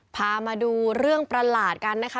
พามาดูเรื่องประหลาดกันนะคะ